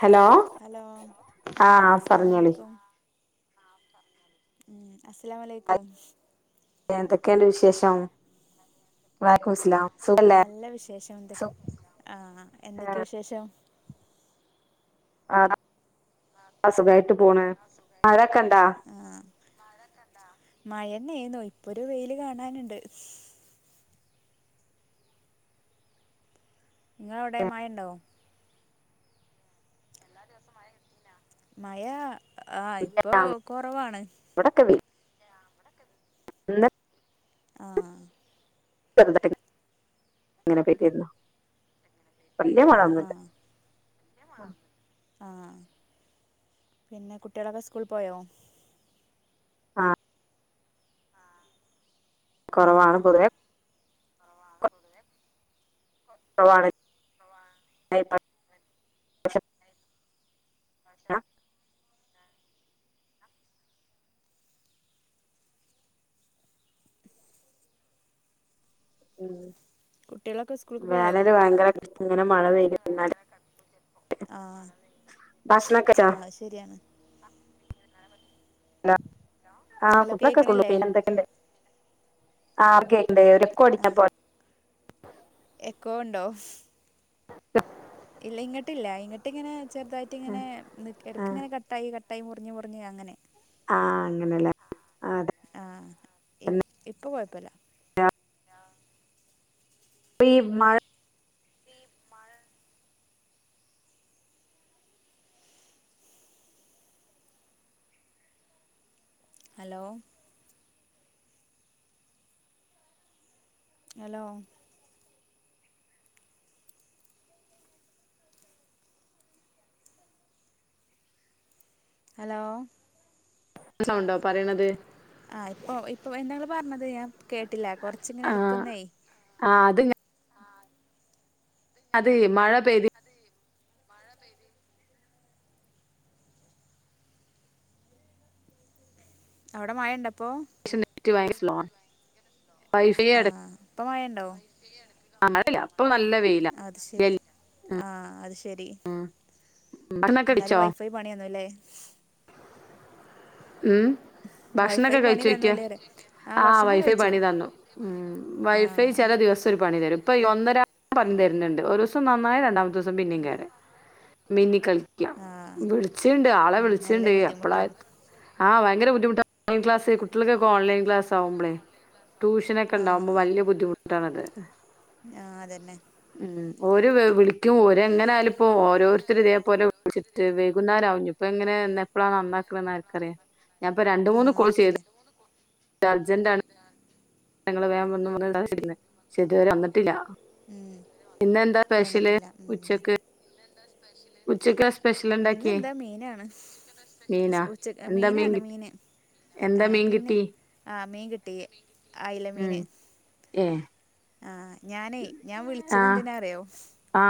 Hello hello ആ ആഹ് പറഞ്ഞോളി അസ്സലാംമലൈക്കും ഉം അസലാംലക്കും എന്തൊക്കെയാണ്ട് വിശേഷം വലൈക്കും സ്ലാം സുഖല്ലേ നല്ല വിശേഷം എന്തൊ ആഹ എന്തൊക്കെയ വിശേഷം ആ സുഖായിട്ട് പോണ ആ ക്കണ്ടാ മഴന്നെയിന്നോ ഇപ്പൊ ഒരു വെയില് കാണാനുണ്ട് നിങ്ങ അവിടെ മ ഉണ്ടാവോ മഴ ആഹ ഇപ്പൊ കുറവാണ് ഇ ആഹ അങ്ങനെ പറ്റിുന്നോ വല്യയ മഴയൊന്നില്ല ആഹ പിന്നെ കുട്ടികളൊക്കെ സ്കൂൾ പോയോ ആഹ് ഉം കുറവാണ് പൊതുവെ ള [inaudible] ഉം കുട്ടികളൊക്കെ സ്കൂൾക്ക് പോയോ വേനൽ ഭയങ്കരഷ ഇങ്ങനെ മഴ പെയ ആ ഭക്ഷണൊക്കെ ആ കഴിച്ചോ ശരിയാണ് ആ ഹലോ കുട്ടൊളോക്കെ സ്കൂളില് കേക്കണില്ലേ പോയിന്ന് എന്തൊക്കെണ്ട് ആ ഒക്കെ അ റെക്കോർഡ ആ [unintelligible] പോ എക്കോ ഉണ്ടോ അതെ [unintelligible] ഇല്ല ഇങ്ങിട്ട ഇല്ല ഇങ്ങിട്ട് ഇങ്ങനെ ചെറുതായിട്ട് ഇങ്ങനെ ഇടക്ക ആഹ് ഇങ്ങനെ കട്ടായി കട്ടായി മുറിഞ്ഞഞ് മുറിഞ്ഞഞ് അങ്ങനെ അങ്ങനെയല്ലേ ആ ഇ ഇപ്പൊ കോയപ്പല്ല [unintelligible] മഴ ഹലോ ഹലോ ഹലോ സൗണ്ടോ പറയണത് ആ ഇപ്പൊ ഇപ്പൊ എന്താ ഇങ്ങള് പറഞ്ഞത് ഞാൻ കേട്ടില്ല കൊറച്ചിങ്ങനെ എടുക്കുന്നേ ആഹ് അത് അത് മഴ പെയ്തി അവിടെ മയ ഉണ്ടപ്പോ ക്ഷേ നെറ്റ് [unintelligible] എടുക്കാൻ ആഹ് ഇപ്പം മഴ ഉണ്ടോ മഴയില്ല അപ്പൊ നല്ല വെയില അത് ശരി ആഹ് അത് ശരി ഭക്ഷണൊക്കെ ഇന്നെലെ കഴിച്ചോ വൈഫൈ പണി തന്നുല്ലേ ഉം വൈഫൈ ഭക്ഷണൊക്കെ പണി കഴിച്ചോയ്ക്കാ തന്നുല്ലേ പറയാ ആ ആഹ് ഭക്ഷണം വൈഫൈ കഴിച്ചു പണി തന്നു ഉ ആ വൈഫൈ ചില ദിവസം ഒരു പണി തരും ഇപ്പൊ ഒന്നര തരുന്നുണ്ട് ഒരു ദിവസം നന്നായി രണ്ടാമത്തെ ദിവസം പിന്നേ കേട് മിന്നി കളിക്കാം ആ വിളിച്ചിട്ടുണ്ട് ആളെ ഉം നല്ല വിളിച്ചിണ്ട് എപ്പള ബുദ്ധിമുട്ടാവും ആ ഭയങ്കര ബുദ്ധിമുട്ടാ ഓൺ ക്ലാസ് കുട്ടികൾക്കൊക്ക ഓൺലൈൻ ക്ലാസ് ആകുമ്പളെ ട്യൂഷനൊക്കെ ഉണ്ടാവുമ്പോൾ വലിയ ബുദ്ധിമുട്ടാണത് ആ അതന്നെ ഓരെ വിളിക്കും ഒരെ എങ്ങനെ ആയാ ലുംപ്പോ ഓരോരുത്തർ ഇതേപോലെ വിളിച്ചിട്ട് വൈകുന്നെരാവും ഇഞ് ഇപ്പ എങ്ങനെ എന്ന് എപ്പഴാണ് നന്നാക്കണന്ന ആരിക്കറിയ ഞാനിപ്പം രണ്ട് മൂന്ന് ആഹ് കോളെ അത് ചെയ്ത് ശരിയാ അർജന്റാണ് ഞങ്ങള് [unintelligible] വേൻുന്നത് [unintelligible] പക്ഷേ ഇതുവരെ വന്നിട്ടില്ല ഉം പിന്നെന്താ സ്പെഷ്യല് വന്നിട്ടില്ല ഉം ഉച്ചക്ക് ഉച്ചക്കേഷ് ഇന്നെന്താ മീനാണ് മീനാ ഉച്ച എന്താ മീൻ മീനാണ് കിട്ടി മീന് എന്താ ആ മീൻ പിന്നെ കിട്ടി ആ മീൻ കിട്ടി അയില ഉം മീന് ഏ ആ ഞാനേ ഞാൻ വിളിച്ചതെന്തിനാ അറിയോ ആ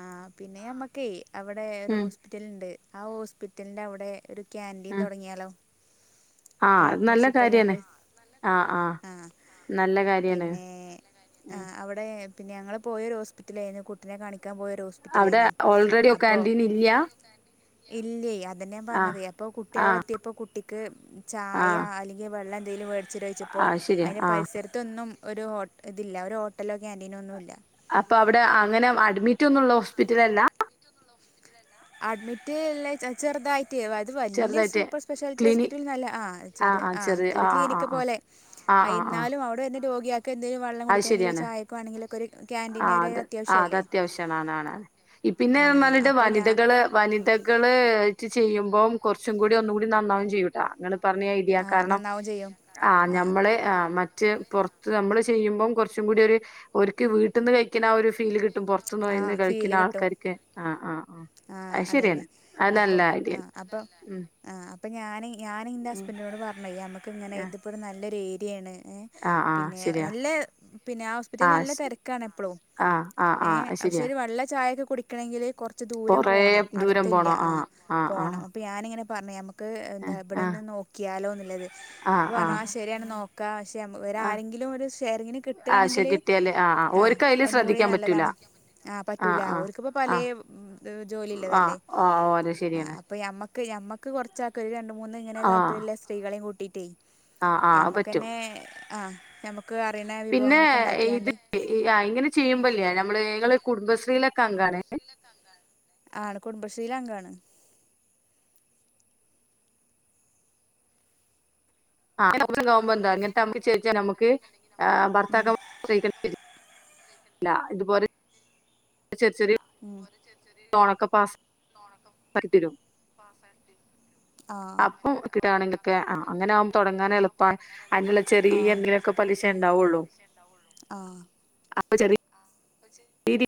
ആ പിന്നമ്മക്കേ അവിടെ ഒരു ഉം ഹോസ്പിറ്റല്ണ്ട് ആ ഹോസ്പിറ്റലിന്റെ അവടെ ഒരു കാന്റീൻ തൊടങ്ങിയാലോ ആ അത് നല്ല കാര്യാണ് ആഹ് ആഹ് ആ നല്ല കാര്യാണ് പിന്നെ ആ ഉം അവടെ പിന്നെ ഞങ്ങള് പോയൊരു ഹോസ്പിറ്റലേയ്ന്നു കുട്ടിനെ കാണി അവടെ ഓൾറെഡി ഒ കാന്റീൻല്ല ഇല്ലേ അതല്ലെ ഞാൻ പറഞ്ഞത് അപ്പൊ കുട്ടി അവടെ എത്യപ്പോ കുട്ടിക്ക് ചായ ആഹ് അല്ലെങ്കി വെള്ളെന്തെങ്കിലും വേടിച്ചെരോ ചോയ്ച്ചപ്പം ആഹ് ശരിയാ അയ്ന് ആഹ് പരിസരത്തൊന്നും ഒരു ഹോട്ട് ഇതില്ല ഒരു ഹോട്ടലോ ക്യാൻറ്റീനോ ഒന്നുല്ല അപ്പൊ അവടെ അങ്ങനെ അഡ്മിറ്റൊന്നും ള്ള ഹോസ്പിറ്റലല്ല അഡ്മിറ്റ് ള്ളത് ചെയ്ത് ചെർതായി ട്ട് അത് വല്യ ചെറുതായിട്ട് സൂപ്പർ സ്പെഷ്യാലിറ്റി ക്ലിനി ഹോസ്പിറ്റൽന്നല്ല ആ ആഹ് ചെറിയ ആഹ് ആ ചെറിയ ആഹ് ആഹ് ക്ലീനിക്ക് ആഹ് പോലെ ആഹ് അ ആഹ് ആഹ് ന്നാലും അവിടെ വെര്ണ രോഗ്യാക്ക് എന്തെലും വെള്ളം കുടിക്കണെങ്കിലോ ചായക്കോ ആണെങ്കിലൊക്കൊരു ആ അത് ആ അത് അത്യാവശ്യാണ് ആണാണ് പിന്നെ ആ തും പറഞ്ഞിട്ട് അപ്പോൾ ഞാൻ വനിതകള് പിന്നെ എന്ന് വനിതകൾ റ്റ് ചെയ്യുമ്പോ കൊർച്ചുങ്ങൂടി ഒന്നും കൂടി നന്നാവും ചെയ്യുട്ടോ അങ്ങനെ പറഞ്ഞ ഇതിയ കാരണം നന്നാവും ചെയ്യും നന്നാവും ചെയ്യും ആ കുഴപ്പമില്ല. കാരണം ഞമ്മള് അ മ റ്റ് പൊർത്ത് നമ്മള് ചെയ്യുമ്പോ കൊർച്ചും കൂടി ഒര് ഓര്ക്ക് വീട്ട്ന്ന് കയ്ക്കുന്ന ആ ഒരു ഫീല് കിട്ട ട്ടും പൊർത്ത്ന്ന് ആ വയ്യ്ന്ന് ആ കയ്ക്കുന്ന ഫീല് കിട്ടും ആൾക്കാർക്ക് ആ ആ ആ ആ അതെന്നെ അപ്പൊ ആ അപ്പൊ ഉം ആ പ്പം ഞാന് ഞാന്ൻ്റെ ഉം ഹസ്ബൻഡിനോട് പർഞ്ഞെ ഞമ്മക്ക് ങ്ങനെ ആഹ് ഇതിപ്പോ നല്ലൊരു ഏരിയേണ് ഏഹ് ആഹ് ആഹ് പിന്നെ ശരിയാ നല്ലെ പിന്നെ ആ ഹോസ്പിറ്റെലിൽ ആഹ് നല്ല തെരക്കാണ് എപ്പളും ആഹ് ആഹ് ആഹ് ഏഹ് അത് പക്ഷെ ശരിയാ ഒര് വെള്ളോ ചായൊക്കെ കുടിക്കെണെങ്കിൽ കൊർ ച്ച് ദൂര കൊറേ പോണം ദൂരം അട്ത്തില്ല പോണം ആ ആഹ് ആഹ് പോണം അപ്പ ഞാൻ ഇങ്ങെനെ പർഞ്ഞ് ക്ക് എന്താ ആഹ് ആഹ് ഇബെടെന്നെ നോക്കിയാലോന്ന് ഇല്ലെത് അപ്പ പർണു ആഹ് ശെരിയാണ് നോക്കാ ക്ഷെ നമ്മ ആഹ് ഒരാളിം ലും ഒര് ഷെയറിങ്ങിന് ആഹ് കിട്ടാണെങ്കിൽ ശരി കിട്ടിയാല് ആഹ് ആഹ് ആ ഓര്ക്ക് അയില് ഒന്നുകൂടി ശ്രദ്ധിക്കാൻ പറ്റൂല നല്ലതാണ് ആഹ് പറ്റൂലാ ആഹ് ഓര്ക്ക് ഇപ്പ പലെ ആഹ് ഉം ഹ് ജോലി ഇല്ലെത് ആഹ് അല്ലെ ആഹ് ഓലെ ഉം ആ ശരിയാണ് അപ്പ ഞമ്മ നമുക്ക് നമുക്ക് കുറച്ചർക്ക ഒരു രണ്ട് മൂന്ന് ഇങ്ങനെ ആഹ് താല്പര്യം ഒള്ള സ്ത്രീളെയും കൂട്ടിട്ടേ ആഹ് ആഹ് അത് നമക് പറ്റും തന്നെ ആഹ നമക് പിന്നെ ഇത് ഇങ്ങനെ ചെയ്യുമ്പല്ലേ നമ്മള് കുടുംബശ്രീ യിൽ അങ്കം അണ് ആണ് കുടുംബശ്രീൽ അംഗാണ് ആപ്പം കാവുമ്പോ എന്താ എന്നിട്ട്മ്മക്ക് ചേച്ചാ നമുക്ക് ഉം ഭർത്താക്കീ [inaudible] അ ഇതുപോലെ ചെറിയ ഉം തോണക്ക പാാക്കരും [unintelligible] ആ അപ്പൊ കിടുകവാണെങ്കിലൊക്കെ അങ്ങനെകുമ്പ തുടങ്ങാൻ എളുപ്പ അതിനുള്ള ചെറിയ എന്തെിലുമൊക്കെ പലിശ ഉണ്ടാവും ഒള്ളു ആ അപ്പൊ ചെറിയ ശരി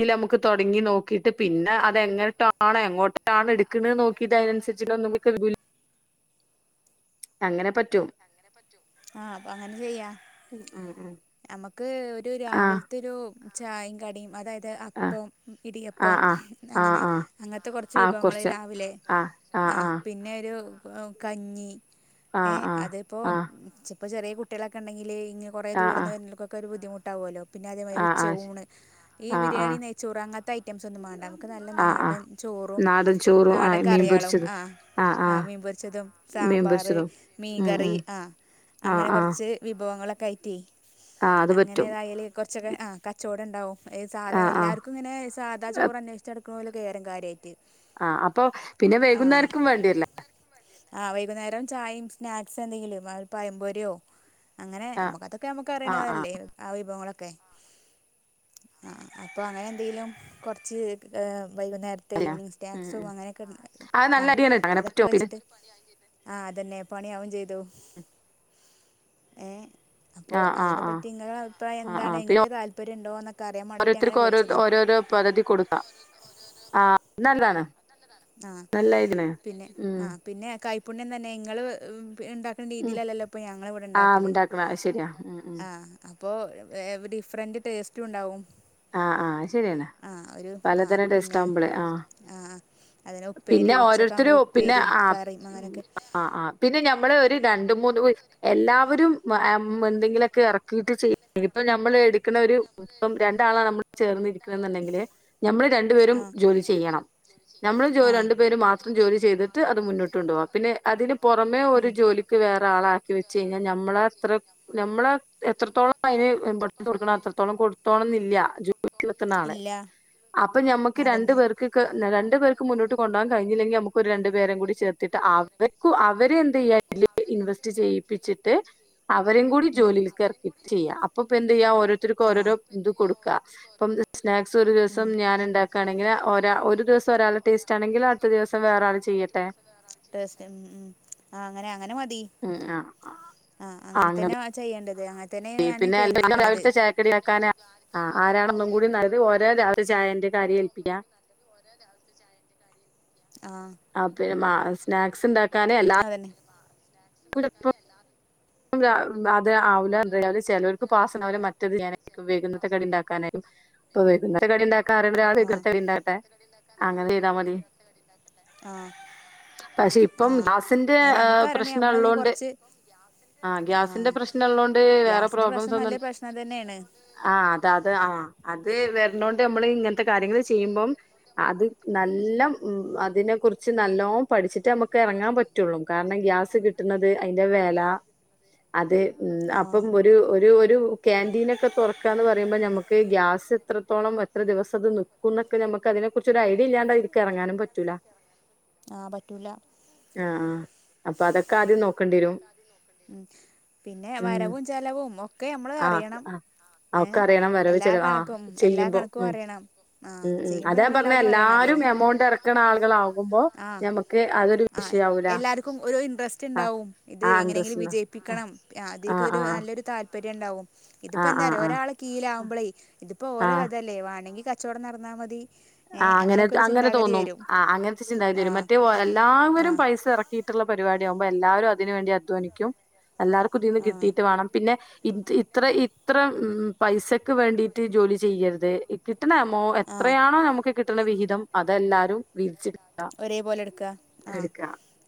ഇല്ല നമുക്ക് തുടങ്ങി നോക്കിട്ട് ് പിന്നെ അതെങ്ങോട്ടാണ്ോ പിന്നെ എങ്ങോട്ടാണ് എടുക്കണന്ന് നോക്കിയത് അതിനനുസരിച്ച നമുക്ക് അങ്ങനെ പറ്റും ആഹ് അപ്പൊ അങ്ങനെ ചെയ്യാം ഉ ഉ നമുക്ക് ഒരു രാവിലത്തെ ഒരു ചായയും കടിയും അതായത് ആ അപ്പം ആ ഇടിയപ്പം ആ ആ അങ്ങനെ ആ അങ്ങനത്തെ കുറച്ച് ആ വിഭവങ്ങൾ കുറച്ച് രാവിലെ ആ പിന്നെ ഒരു കഞ്ഞി ആ ആ ഏ ആ അതിപ്പോ ആ ചെറിയ കുട്ടികളൊക്കെ ഉണ്ടെങ്കില് ഇനി കുറെ ആ ആ ദൂരെന് വന്ന്നവർക് ഒരു ബുദ്ധിമുട്ടകുമല്ലോ പിന്നെ അതേമാതിരി ആ ഉച്ച ഊണ് ഈ ആ ആ ബിരിയാണി നെയ്ച്ചോറ് അങ്ങനത്തെ ഐറ്റംസ് ഒനും വേണ്ട നമുക്ക് നല്ല ആ ആ നാടൻ ചോറും ചോറും നാടൻ ചോറും ആ നാടൻ മീൻ കറികളും പൊരിച്ചത് ആ ആ ആ ആഹ മീൻപൊരിച്ചതും മീൻ സാമ്പാർ പൊരിച്ചതും ഉം മീൻകറി ഉം ആ ആ അങ്ങനെ ആ കുറച്ച് വിഭവങ്ങളൊക്കെ കയറ്റി ആ അത് പറ്റും അങ്ങനെ തയാൾ കുറച്ചൊക്കെ കച്ചവടം ഉണ്ടാവും ഈ സാധാ ആഹ് എല്ലാർക്കും ഇങ്ങനെ സാധാ ചോറ് അന്വേഷിച്ചടുക്കുന്ന പോലെ കണ്ടു കാര്യമായിട്ട് ആ അപ്പൊ പിന്നെ ആ വൈകുന്നേർക്കും വേണ്ടിയല്ലേ ആ വൈകുന്നേരം ചായയും സ്നാക്സ് എന്തെങ്കിലും അ പഴംപൊരിയൊ അങ്ങനെ ആഹ് നമുക്ക ആഹ് ആഹ് നമുക്കറിയണതല്ലേ വിഭവങ്ങൾ ഒക്കെ ആ അപ്പൊ അങ്ങനെ എന്തെലും കുറച്ച് വൈകുന്നേരത്തെ അല്ല ഈവെനിംഗ് ഉം സ്നാക്സും ഉം അങ്ങനെയൊക്കെ അത് ആ നല്ല അരിയാണ് ട്ടോ. അങ്ങനെ അതൊക്കെ പറ്റോ പിന്നെ വെച്ചിട്ട് ആ അതെന്നെ പണിയാവുകയും ചെയ്തു ഏ അപ്പോ ആഹ് ആഹ് അയിനെ ആഹ് പറ്റി നിങ്ങടെ അഭിപ്രായം ആഹ് എന്താണ് ആഹ് പിന്നെ നിങ്ങൾക്ക് താല്പര്യമുണ്ടോ എന്നൊക്കെ അറിയാൻ വേണ്ടീട്ട് അങ്ങനെ വിളിച്ചതാണ് പകുതി കൊടുക്കാം ആ അത് നല്ലാണ് ആ പിന്നെ ആ പിന്നെ കൈപ്പുണ്യം തന്നെ ഇങ്ങള് ഉണ്ടാക്കുന്ന ഉം രീതിയിലല്ലല്ലോ ഇപ്പ ഞങ്ങള് ഇവിടെ ആഹ് ഉണ്ടാക്കല് ഉണ്ടാക്കണം അത് ശരിയാ ഉം ഉം ആ അപ്പൊ ഡിഫ്രണ്ട് ടേസ്റ്റും ഉണ്ടാവും ആ ആ അത് ശരി തന്നെ ആ ഒരു ആ പലതരം പിന്നെ ടേസ്റ്റാവുമ്പോളെ ആ ആ അതിന് ഉപ്പേരി പിന്നെ ഉച്ചക്കാകുമ്പോൾ ഓരോരുത്തരും പിന്നെ ഉപ്പേരിയും ആ കറിയും അങ്ങനെയൊക്കെ ആ ആ പിന്നെ ഞ നമ്മള് ഒരു രണ്ട് മൂന്ന് എല്ലാവരും എന്തെങ്കിലുമൊക്കെ ഇറക്കിയിട്ട് ചെയ്യും ഇപ്പം നമ്മള് എടുക്കണ ഒരു ഇപ്പം രണ്ടാളാ നമ്മള് ചേർന്നിരിക്കണ എന്നുണ്ടെങ്കില് നമ്മള് രണ്ടു പേരും ജോലി ചെയ്യണം നമ്മളു രണ്ടു പേരും മാത്രം ജോലി ചെയ്ത് ട്ട് അത് മുന്നോട്ട് കൊണ്ട് പോവാം പിന്നെ അതിന് പുറമേ ഒരു ജോലിക്ക് വേറെ ആളാ വെച്ച് കഴിഞ്ഞാൽ നമ്മളത്ര നമ്മള് എത്രത്തോളം അതിന് ഇമ്പോർട്ടന്റ് കൊടുക്കണം അത്രത്തോളം കൊടുത്തോണം [unintelligible] ഇല്ല ജൂ [unintelligible] നാളെ ഇല്ല അപ്പൊ ഞമ്മക്ക് രണ്ടു അതന്നെ പേർക്ക്ക്ക് രണ്ട് പേർക്ക് മുന്നോട്ട് കൊണ്ട് പോവാൻ കഴിഞ്ഞില്ലങ്കി നമുക്ക് ഒരു രണ്ട് പേരയും കൂടി ചേർത്തി അവർക്ക് അവരെന്ത് ചെയ്യാ ഇൻവെസ്റ്റ് ചെയ്യിപ്പിച്ചിട്ട് അവരും കൂടി ഉം ജോലിൽ [unintelligible] ചെയ്യാം അപ്പൊ ഇപ്പം എന്ത് ചെയ്യാം ഓരോത്തർക്കും ആഹ് ഓരോരോ ഇത് കൊടുക്കുക ഇപ്പം സ്നാക്സ് ഒരു ഉം ദിവസം ഞാൻ ഉണ്ടാക്കുകയാണെങ്കിൽ ഒരാ ഒരു ദിവസം ഒരാളുടെ ടേസ്റ്റാണെങ്കിൽ അടുത്ത ദിവസം വേറെ ആള് ചെയ്യട്ടെ [unintelligible] അങ്ങനെ [unintelligible] ഉം ആഹ് ആഹ് ആ അങ്ങനെ തന്നെ ആ ചെയ്യേണ്ടത് അങ്ങനെ തന്നെ ഞാന് പിന്നെ [unintelligible] കരുതിക്കണത് രാവിലത്തെ ചായക്കടി ആാക്കാന ആ ആരാണെന്നും കൂടി [unintelligible] ട്ട് ചായന്റെ കാര്യം ഏൽപ്പിക്കാ ആഹ് ആ [unintelligible] സ്നാക്സ് ഉണ്ടാക്കാനെ എല്ലാ അതന്നെ [unintelligible] അത് അത് ആവില്ല എന്ന് പറഞ്ഞാല് ചിലർക്ക് പാസം അവ മറ്റത് ഞാനായിരിക്കും വരുന്നത് കടി ഉണ്ടാക്കാന് അപ്പൊ വൈകുന്നേരം കടിയുണ്ടാക്കാൻ കാരണം ആഹ് [unintelligible] ഉണ്ടാക്കാൻ അങ്ങനെ ചെയ്താ മതി ആഹ് പക്ഷെ ഇപ്പം ആസിന്റെ പ്രശ് നമ്മളതിന്‌ കുറച്ച് ആ ഗ്യാസിന്റെ ആഹ് പ്രശ്നം ഉള്ളോണ്ട് വേറെ ഗ്യാസിന്റെ പ്രോബ്ലംസ് പ്രശ്നം ഒന്നും നല്ല പ്രശ്നം തന്നെയാണ് ആ അത് അത് ആ അത് വരണോണ്ട് നമ്മൾ ഇങ്ങനത്തെ കാര്യങ്ങൾ ചെയ്യുമ്പം അത് നല്ല അതിനെ കുറിച്ച് നല്ലോ പഠിച്ചിട്ട് നമുക്ക് ഇറങ്ങാൻ പറ്റുള്ളൂ കാരണം ഗ്യാ കിട്ടുന്നത് അതിന്റെ വില അത് ഉം അപ്പം ആഹ് ഒരു ഒരു ഒരു ക്യാന്റീനൊക്കെ തുറക്കാന്ന് പറയുമ്പോ ഞമ്മക്ക് ഗ്യാസ് എത്രത്തോളം എത്ര ദിവസം അത് നിൽക്കും എന്നൊക്കെ നമുക്ക് അതു ഇതിനെ കുറിച്ചൊരു ഐഡിയ ഇല്ലാണ്ട് ഇതിലേക്ക് ഇറങ്ങാനും പറ്റൂല്ല ആ പറ്റൂല ആഹ് ആഹ്. അപ്പൊ അതൊക്കെ ആദ്യം നോ അപ്പൊ അതൊക്കെ ആദ്യം നോക്കേണ്ടി വരും ഉം പിന്നെ ഉം. വരവും ചലവും ഒക്കെ നമ്മള് ആഹ് അറിയണം ആഹ് ഏ ഒക്കെ അറിയണം വരവ് എല്ലാ ചെലവ് ആഹ് കണക്കും എല്ലാ ചെയ്യുമ്പോ കണക്കും ഉം അറിയണം ആ ഉം ഉം. ചെയ്യുമ്പോ അതാ ഞാൻ നമ്മള് പറഞ്ഞെ എല്ലാതും അറിയണല്ലോ എല്ലാരും എമൗണ്ട് ഇറക്കണ ആളുകൾ ആകുമ്പോ ആ ഞമ്മക്ക് അതൊരു ആ വിഷയാവൂല എല്ലാർക്കും ഒരു ഇൻട്രസ്റ്റ് ആഹ് ഉണ്ടാവും ഇത് ആഹ് എങ്ങനെയെങ്കിലും അന്തസ്സിന്. ആഹ് വിജയിപ്പിക്കണം ആദ്യൊക്കെ ആഹ് ഒരു ആഹ് നല്ലൊരു താല്പര്യം ഉണ്ടാവും ഇതിപ്പോ ആഹ് എന്താ അറിയുവോ ആഹ് ഒരാള് ആഹ് കീയിലാവകുമ്പോളേ ഇതിപ്പോ ഓല ആഹ് ഇതല്ലേ വേണമെങ്കി കച്ചവടം നടന്നാ മതി ഏ ആ അങ്ങനെ അങ്ങനൊക്കെ ഒരു അങ്ങനെ ചിന്താഗതി തോന്നും വരും ആ അങ്ങനത്തെ ചിന്താഗതി ആ വരും മറ്റേ ആ എല്ലാവരും പൈസ ഇറക്കിയിട്ടുള്ള പരിപാടി ണ്ടാകും എല്ലാവരും അതിന് വേണ്ടി അധ്വാനിക്കും എല്ലാവർക്കും അതീന്ന് ആ കിട്ടിയിട്ട് വേണം പിന്നെ ഇ ഇത്ര ഇത്ര പൈസക്ക് വേണ്ടിയിട്ട് ജോലി ചെയ്യരുത് [unintelligible] കിട്ടണ എമൗ ആ എത്രയാണോ നമുക്ക് കിട്ടുന്ന വിഹിതം അതെല്ലാരും വീതിച്ചെടുക്കുക ഒരേ പോലെ എടുക്കുക ആ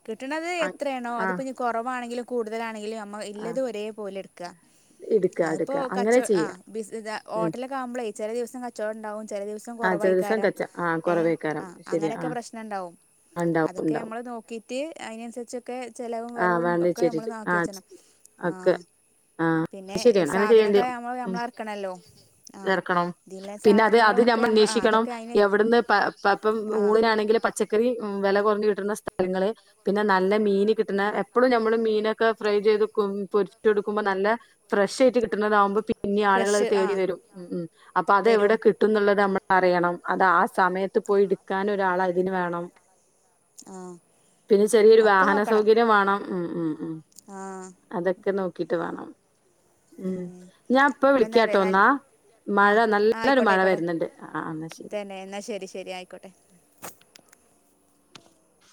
കിട്ടണത് ആ എത്രയാണോ ആ അതിപ്പ ഇനി കുറവാണെങ്കിലും കൂടുതലാണെങ്കിലും നമ്മ ആ ഇല്ലത് ഒരേ പോലെ എടുക്കുക എടുക്ക അതിപ്പോ എടുക്ക അങ്ങനെ കച്ചം ചെയ്യാ ആഹ് ബിസി ഉം ഹോട്ടലൊക്കെ ആവുമ്പോളേ ചെല ദിവസം കച്ചവടം ഉണ്ടാവും ചെല ദിവസം ആ ചില ദിവസം കുറവായിക്കാരം കച്ച ആ ഏഹ് കുറവേക്കാരം ആഹ് ശരിയാ ആ അങ്ങനെയൊക്കെ പ്രശ് നംണ്ടാവും ഉണ്ടാവും അതൊക്കെ ഉണ്ടാവും നമ്മള് നോക്ക്ട്ട് അതിനനുസ ട്ട് ഒക്കെ ചെലവും ആ വരവും വേണ്ട ഒക്കെ ശരി നമ്മൾ നോക്കി ആ വച്ചണം ഒക്കെ ആഹ് പിന്നെ ശരിയാണ് അങ്ങനെ ചെയ്യേണ്ടി സാധനങ്ങളെ വരും നമ്മള് ഉം നമ്മളറക്കണല്ലോ ആഹ് ഇതില സാധനങ്ങളോ നമ്മ അന്വേഷിക്കണം എവിടുന്ന്പ്പം പ ആ ഊണിനാണെങ്കില് പച്ച ക്കറി വില കുറഞ്ഞു കിട്ടുന്ന സ്ഥലങ്ങള് പിന്നെ നല്ല മീന് കിട്ടുന്ന ഉം എപ്പോഴും നമ്മള് മീന ക്കേ ഫ്രൈ ചെയ്ത് പൊരിച്ചു കൊട്ക്കമ്പം നല്ല ഫ്രഷാട്ട് കിട്ടുന്നതാവമ്പം പി പിന്നെ ആളുകൾ ഫ്രഷ് ആ തേടി വരും ഉം അപ്പൊ അതെവിടെ വരും കിട്ടുംന്നുള്ളത് നമ്മള പറയണം അത് ആ സമയത്ത് പോയി എടുക്കാൻ ഒരാൾ അതിന് വേണം ആ പിന്നെ ചെറിയൊരു ഒക്കെ വാഹന നോക്കണം സൗകര്യം വേണം ഉം ഉം ഉം ആ അതൊക്കെ നോക്കിട്ട് വേണം ഉം ഞാൻ ഇപ്പ വിളിക്കാട്ടോന്നാ ആഹ് ആയിക്കോട്ടെ ആയിക്കോട്ടെ ആ എന്നാ ശരി തന്നെ എന്നാ ശരി ശരി ആയിക്കോട്ടെ